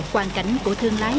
hoàn cảnh của thương lái